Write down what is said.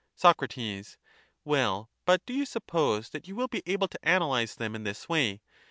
Soc. Well, but do you suppose that you will be able to analyse them in this way?